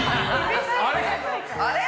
あれ？